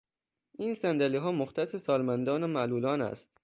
این صندلیها مختص سالمندان و معلولان است.